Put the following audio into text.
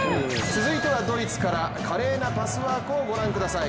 続いてはドイツから華麗なパスワークをご覧ください。